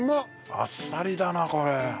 あっさりだなこれ。